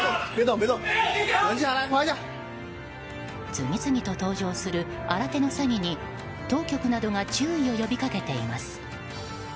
次々と登場する新手の詐欺に当局などが注意を呼びかけています。